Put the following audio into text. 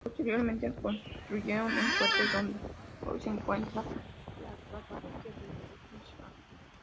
Posteriormente construyeron un fuerte donde hoy se encuentra la actual parroquia de Buckingham.